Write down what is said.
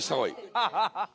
ハハハハ！